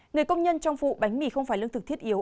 người công nhân trong vụ bánh mì không phải lương thực thiết yếu